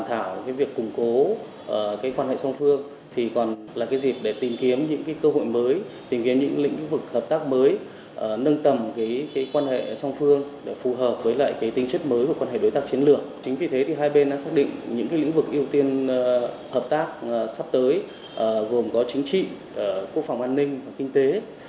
hợp tác sắp tới gồm có chính trị quốc phòng an ninh và kinh tế